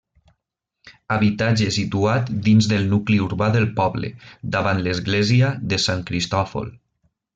Habitatge situat dins del nucli urbà del poble, davant l'església de Sant Cristòfol.